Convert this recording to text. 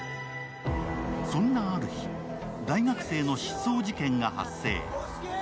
そんなある日、大学生の失踪事件が発生。